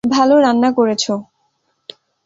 ভালো রান্না করেছ।